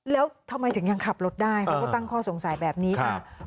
แล้วทำไมถึงยังขับรถได้เขาก็ตั้งข้อสงสัยแบบนี้ค่ะ